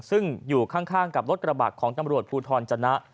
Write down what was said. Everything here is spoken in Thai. ซึ่งอยู่ข้างกับรถกระบะของตำรวจภูทรจนะ